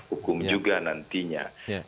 hukum juga nantinya